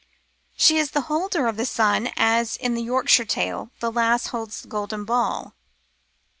She is the holder of the sun, as in the Yorkshire story the lass holds the golden ball.